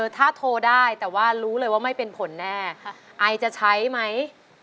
ถ้าโทรได้แต่ว่ารู้เลยว่าไม่เป็นผลแน่ไอจะใช้ไหม